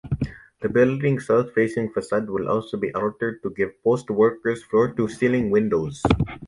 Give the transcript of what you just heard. The building's south-facing facade will also be altered to give "Post" workers floor-to-ceiling windows.